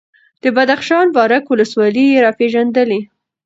د بدخشان بارک ولسوالي یې راپېژندلې،